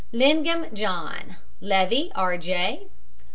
LENGAM, JOHN. LEVY, R. J.